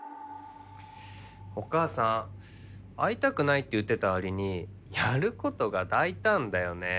お母さん会いたくないって言ってたわりにやることが大胆だよね。